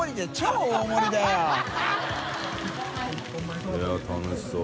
い笋楽しそう。